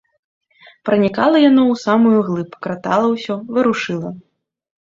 Пранікала яно ў самую глыб, кратала ўсё, варушыла.